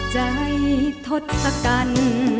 ใจทดสะกัน